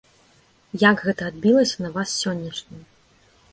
Як гэта адбілася на вас сённяшнім?